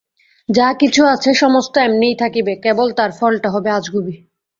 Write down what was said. যা-কিছু আছে সমস্ত এমনিই থাকবে, কেবল তার ফলটা হবে আজগুবি।